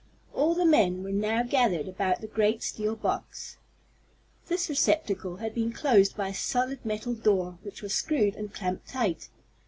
All the men were now gathered about the great steel box. This receptacle had been closed by a solid metal door, which was screwed and clamped tight.